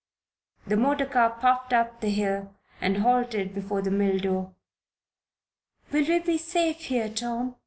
The motor car puffed up the hill and halted before the mill door. "Will we be safe here, Tom?"